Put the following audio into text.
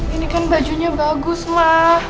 ini kan bajunya bagus mak